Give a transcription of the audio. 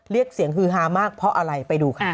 เรียกเสียงฮือฮามากเพราะอะไรไปดูค่ะ